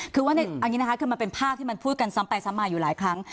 คือว่าอันนี้นะคะคือมันเป็นภาพที่มันพูดกันซ้ำไปซ้ำมาอยู่หลายครั้ง